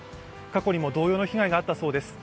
過去にも同様の被害があったそうです。